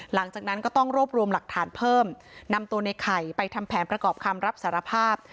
หลังจากนั้นก็ต้องรวบรวมหลักฐานเพิ่มนำตัวในไข่ไปทำแผนประกอบคำรับสารภาพ